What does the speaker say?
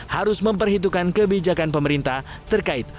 harus memperhitungkan kebijakan pemerintah terkait